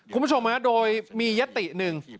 คุณผู้ชมฮะโดยมียติหนึ่ง